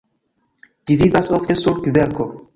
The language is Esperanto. Ĝi vivas ofte sur kverko.